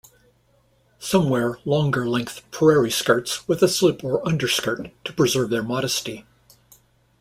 Some wear longer-length prairie skirts with a slip or underskirt to preserve their modesty.